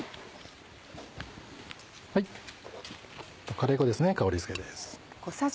カレー粉ですね香りづけです。